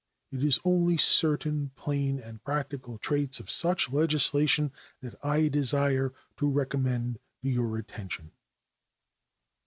It is only certain plain and practical traits of such legislation that I desire to recommend to your attention.